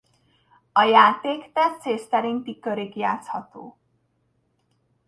A játék tetszés szerinti körig játszható.